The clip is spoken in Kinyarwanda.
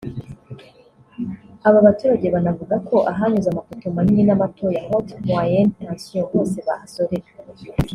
Aba baturage banavuga ko ahanyuze amapoto manini n’amatoya (haute /moyenne tension) hose bahasorera